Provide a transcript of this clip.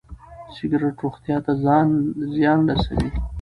سګرټ روغتيا ته زيان رسوي.